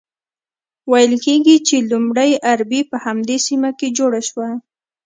ویل کیږي چې لومړۍ اربۍ په همدې سیمه کې جوړه شوه.